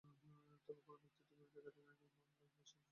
তবে কোনো ব্যক্তির বিরুদ্ধে একাধিক আইনে মামলা হলে বেশি সময় লাগতে পারে।